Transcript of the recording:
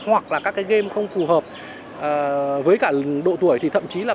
hoặc là các cái game không phù hợp với cả độ tuổi thì thậm chí là